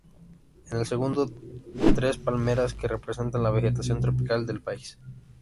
En el segundo, tres palmeras que representan la vegetación tropical del país.